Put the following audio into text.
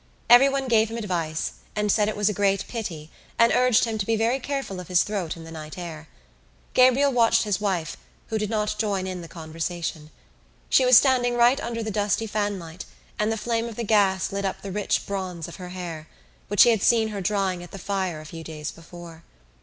Everyone gave him advice and said it was a great pity and urged him to be very careful of his throat in the night air. Gabriel watched his wife, who did not join in the conversation. She was standing right under the dusty fanlight and the flame of the gas lit up the rich bronze of her hair, which he had seen her drying at the fire a few days before.